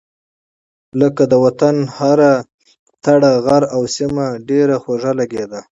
لکه : د وطن هره تړه غر او سيمه ډېره خوږه لګېده.